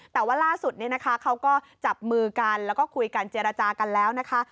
แต่ว่าล่าสุดเนี่ยนะคะเขาก็จับมือกันแล้วก็คุยกันเจรจากันแล้วนะคะ